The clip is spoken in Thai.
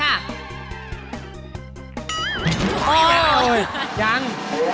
โหหยัง